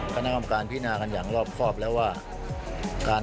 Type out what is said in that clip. แล้วก็กำหนดทิศทางของวงการฟุตบอลในอนาคต